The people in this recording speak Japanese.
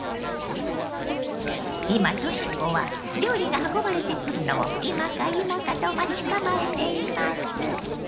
今とし子は料理が運ばれてくるのを今か今かと待ち構えています。